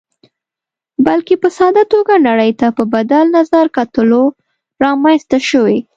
بلکې په ساده توګه نړۍ ته په بدل نظر کتلو رامنځته شوې.